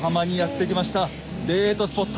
デートスポット。